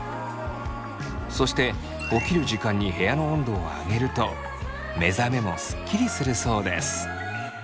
そして起きる時間に部屋の温度を上げると目覚めもスッキリするそうです。